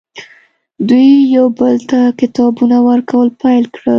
دوی یو بل ته کتابونه ورکول پیل کړل